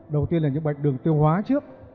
đầu tiên là những bệnh đường tiêu hóa trước